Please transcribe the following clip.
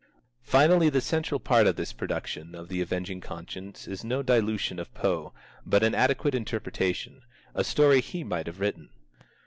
Finally, the central part of this production of the Avenging Conscience is no dilution of Poe, but an adequate interpretation, a story he might have written.